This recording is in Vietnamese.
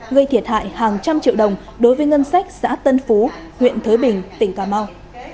gây thiệt hại hàng trăm triệu đồng đối với ngân sách xã tân phú huyện thới bình tỉnh cà mau